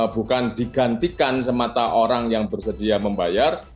bukan digantikan semata orang yang bersedia membayar